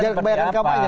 jangan kebanyakan kapan ya